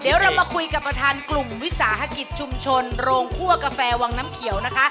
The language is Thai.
เดี๋ยวเรามาคุยกับประธานกลุ่มวิสาหกิจชุมชนโรงคั่วกาแฟวังน้ำเขียวนะคะ